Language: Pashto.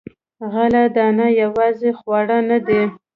غله دانه یوازې خواړه نه دي.